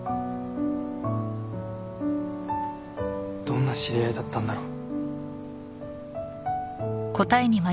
どんな知り合いだったんだろう？